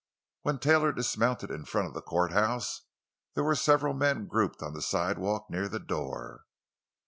When Taylor dismounted in front of the courthouse there were several men grouped on the sidewalk near the door.